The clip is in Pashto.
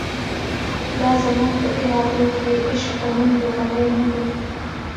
لا زموږ په ارادو کی، عشق د مڼډو غلۍ نه دۍ